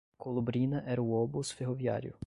Colubrina era o obus ferroviário